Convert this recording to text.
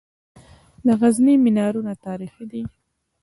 د غزني منارونه تاریخي دي